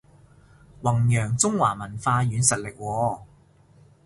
弘揚中華文化軟實力喎